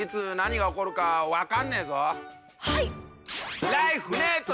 はい！